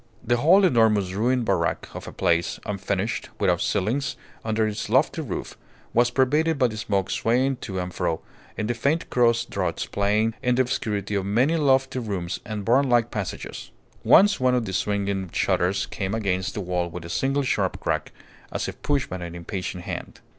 The whole enormous ruined barrack of a place, unfinished, without ceilings under its lofty roof, was pervaded by the smoke swaying to and fro in the faint cross draughts playing in the obscurity of many lofty rooms and barnlike passages. Once one of the swinging shutters came against the wall with a single sharp crack, as if pushed by an impatient hand.